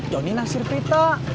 johnny nasir prita